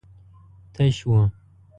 تش و.